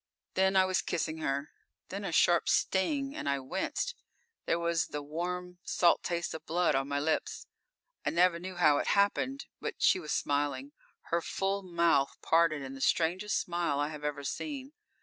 Then I was kissing her; then a sharp sting, and I winced. There was the warm, salt taste of blood on my lips. I never knew how it happened. But she was smiling, her full mouth parted in the strangest smile I have ever seen.